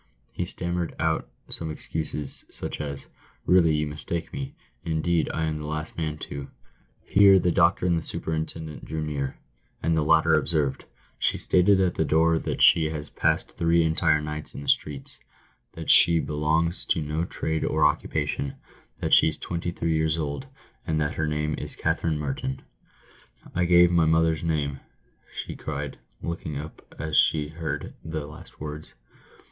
He stammered out some excuses, such as, " Really, you mistake me. Indeed, I am the last man to " Here the doctor and the superintendent drew near, and the latter observed, "She stated at the door that she has passed three entire nights in the streets — that she belongs to no trade or occupation — that she's twenty three years old, and that her name is Katherine Merton." "I gave my mother's name," she cried, looking up as. she heard the last words.